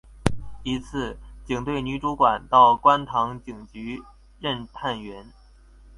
一次警队女主管到观塘警局任探员。